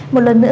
một lần nữa